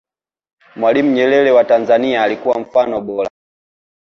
mwalimu nyerere wa tanzania alikuwa mfano bora